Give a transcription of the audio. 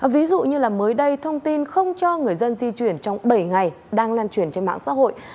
ví dụ như là mới đây thông tin không cho người dân di chuyển trong bảy ngày đang lan truyền trên mạng xã hội